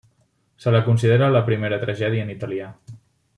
Se la considera la primera tragèdia en italià.